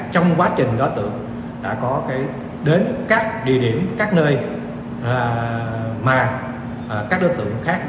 trong quá trình đối tượng đã có đến các địa điểm các nơi mà các đối tượng khác